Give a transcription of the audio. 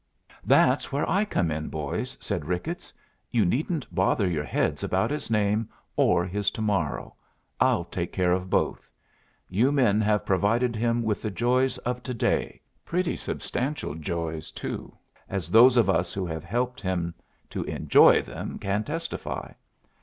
"That's where I come in, boys," said Ricketts. "You needn't bother your heads about his name or his to morrow I'll take care of both. You men have provided him with the joys of to day pretty substantial joys, too, as those of us who have helped him to enjoy them can testify.